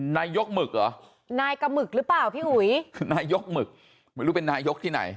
นายกหมึกเหรอนายกะหมึกหรือเปล่าพี่อุ๋ยนายกหมึกไม่รู้เป็นนายกที่ไหน